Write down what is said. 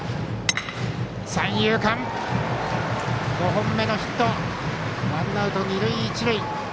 ５本目のヒットでワンアウト、二塁一塁。